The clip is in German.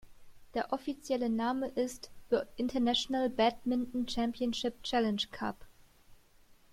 Der offizielle Name ist „"The International Badminton Championship Challenge Cup"“.